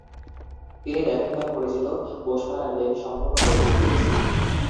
তিনি দেখেন তার পরিচিত বোসপাড়া লেন সম্পূর্ণ বদলে গিয়েছে।